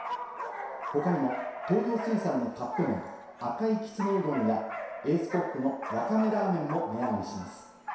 他にも東洋水産のカップ麺「赤いきつねうどん」や、エースコックの「わかめラーメン」も値上がりします。